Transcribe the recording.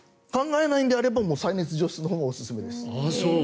考えないんでしたら再熱除湿のほうがおすすめです。